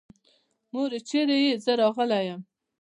مورې چېرې يې؟ زه راغلی يم.